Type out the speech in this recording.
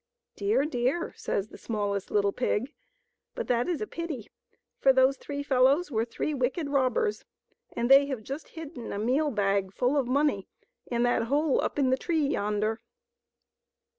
" Dear, dear," says the smallest little pig, " but that is a pity, for those three fellows were three wicked robbers, and they have just hidden a meal bag full of money in that hole up in the tree yonder."